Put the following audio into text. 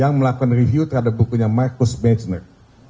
yang melakukan review terhadap bukunya marcus matchner